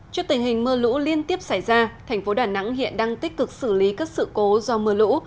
trước tình hình mưa lũ liên tiếp xảy ra thành phố đà nẵng hiện đang tích cực xử lý các sự cố do mưa lũ